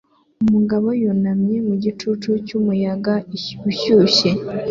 Umugabo yunamye mu gicucu cyumuyaga ushyushye